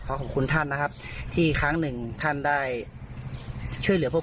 เป็นหนึ่งในวีรบุรุษที่ช่วย๑๓หมูป่า